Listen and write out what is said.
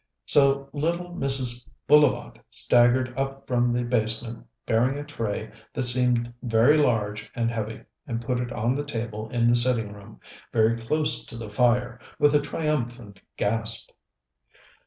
So little Mrs. Bullivant staggered up from the basement bearing a tray that seemed very large and heavy, and put it on the table in the sitting room, very close to the fire, with a triumphant gasp.